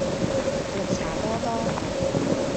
綠茶多多